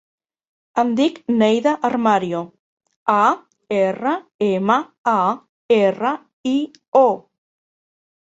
Em dic Neida Armario: a, erra, ema, a, erra, i, o.